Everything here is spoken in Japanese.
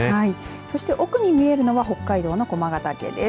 そして奥に見えるのは北海道の駒ヶ岳です。